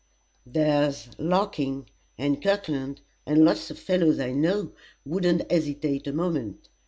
There's Larkin, and Kirkland, and lots of fellows I know, wouldn't hesitate a moment.